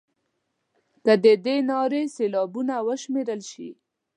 که د دې نارې سېلابونه وشمېرل شي.